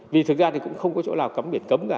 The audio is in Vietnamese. vì thực ra thì cũng không có chỗ nào cấm biển cấm cả